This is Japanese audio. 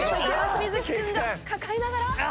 瑞稀君が抱えながら。